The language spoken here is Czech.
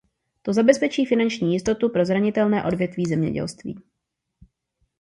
To zabezpečí finanční jistotu pro zranitelné odvětví zemědělství.